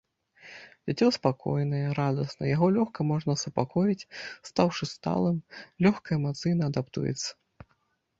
Дзіцё спакойнае, радасны, яго лёгка можна супакоіць, стаўшы сталым, лёгка эмацыйна адаптуецца.